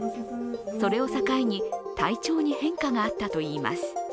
それを境に、体調に変化があったといいます。